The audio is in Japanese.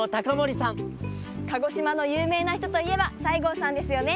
鹿児島のゆうめいなひとといえば西郷さんですよね。